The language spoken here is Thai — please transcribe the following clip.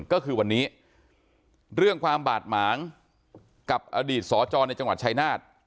ก็คือวันนี้เรื่องความบาดหมางกับอดีตสจในจังหวัดชายนาฏ